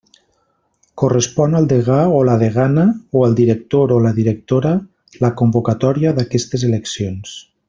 Correspon al degà o la degana o al director o la directora la convocatòria d'aquestes eleccions.